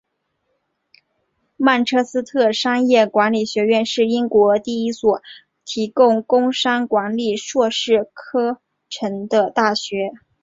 曼彻斯特商业管理学院是英国第一所提供工商管理硕士课程的大学。